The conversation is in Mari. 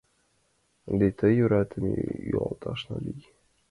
Ынде тый йӧратыме йолташна лий!